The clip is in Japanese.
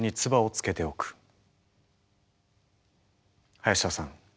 林田さん